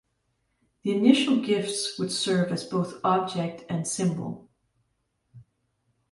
The initial gifts would serve as both object and symbol.